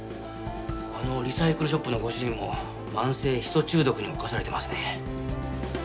あのリサイクルショップのご主人も慢性ヒ素中毒に侵されてますね。